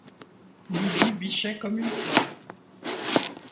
Lydie bichait comme une folle.